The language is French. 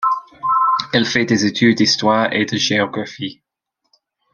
Elle fait des études d'histoire et de géographie.